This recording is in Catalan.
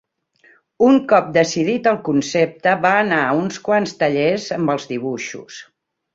Un cop decidit el concepte, va anar a uns quants tallers amb els dibuixos.